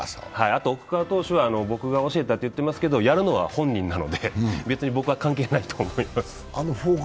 あと奥川投手は、僕が教えたと言ってますけど、やるのは本人なので、別に僕は関係ないと思います。